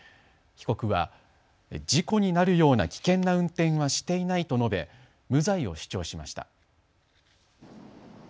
被告は、事故になるような危険な運転はしていないと述べ無罪を主張しました。